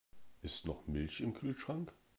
Ist noch Milch im Kühlschrank?